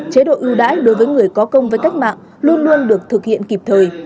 chế độ ưu đãi đối với người có công với cách mạng luôn luôn được thực hiện kịp thời